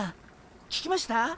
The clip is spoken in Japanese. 聞きました？